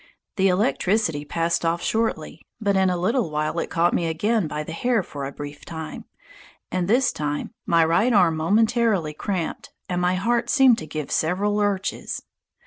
The electricity passed off shortly, but in a little while it caught me again by the hair for a brief time, and this time my right arm momentarily cramped and my heart seemed to give several lurches.